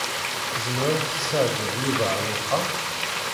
Tzemreḍ ad tesɛeddiḍ Yuba ar wexxam?